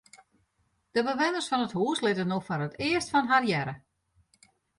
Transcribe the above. De bewenners fan it hús litte no foar it earst fan har hearre.